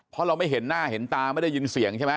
เพราะเราไม่เห็นหน้าเห็นตาไม่ได้ยินเสียงใช่ไหม